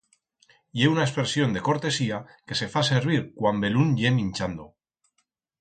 Ye una expresión de cortesía que se fa servir cuan belún ye minchando.